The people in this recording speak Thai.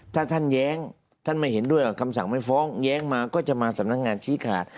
ถ้าท่านแย้งท่านไม่เห็นด้วยกับคำสั่งไม่ฟ้องแย้งมาก็จะมาสำนักงานชี้ขาด